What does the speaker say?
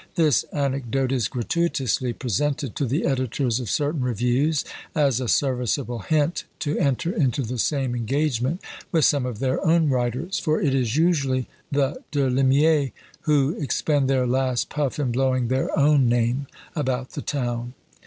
This anecdote is gratuitously presented to the editors of certain reviews, as a serviceable hint to enter into the same engagement with some of their own writers: for it is usually the De Limiers who expend their last puff in blowing their own name about the town.